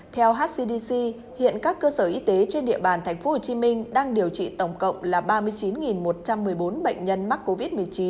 theo hcdc hiện các cơ sở y tế trên địa bàn tp hcm đang điều trị tổng cộng là ba mươi chín một trăm một mươi bốn bệnh nhân mắc covid một mươi chín